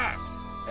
え？